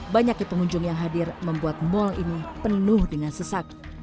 banyaknya pengunjung yang hadir membuat mal ini penuh dengan sesak